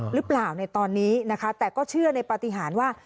หรือเปล่าในตอนนี้นะคะแต่ก็เชื่อในปฏิหารว่า